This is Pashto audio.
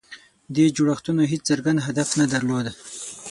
دې جوړښتونو هېڅ څرګند هدف نه درلود.